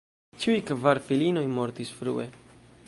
Ĉiuj kvar filinoj mortis frue.